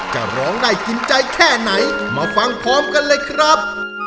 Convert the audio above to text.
จะร้องได้กินใจแค่ไหนมาฟังพร้อมกันเลยครับ